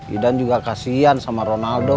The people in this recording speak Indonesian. idan juga kasian sama ronaldo